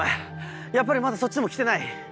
やっぱりまだそっちにも来てない？